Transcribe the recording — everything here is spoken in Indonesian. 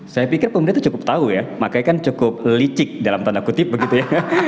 saya pikir pemerintah itu cukup tahu ya makanya kan cukup licik dalam tanda kutip begitu ya